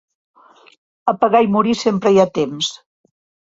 A pagar i morir sempre hi ha temps.